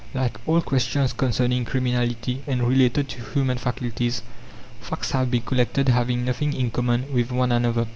Like all questions concerning criminality and related to human faculties, facts have been collected having nothing in common with one another.